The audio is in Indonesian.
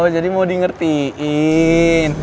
jadi mau di ngertiin